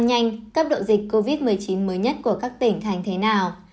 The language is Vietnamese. nhanh cấp độ dịch covid một mươi chín mới nhất của các tỉnh thành thế nào